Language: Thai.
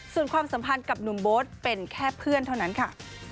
ส่วนความสัมพันธ์กับหนุ่มโบ๊ทเป็นแค่เพื่อนเท่านั้นค่ะ